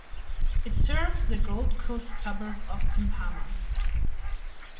It serves the Gold Coast suburb of Pimpama.